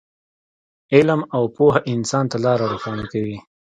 علم او پوهه انسان ته لاره روښانه کوي.